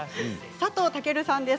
佐藤健さんです。